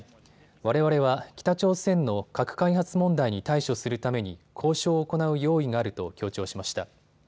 われわれは北朝鮮の核開発問題に対処するために交渉を行う用意があると強調しました。